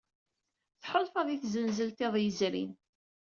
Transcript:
Tḥulfaḍ i tzenzelt iḍ yezrin.